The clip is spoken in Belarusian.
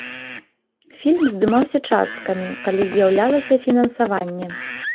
Фільм здымаўся часткамі, калі з'яўлялася фінансаванне.